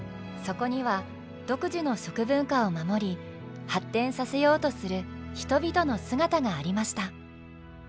そこには独自の食文化を守り発展させようとする人々の姿がありました。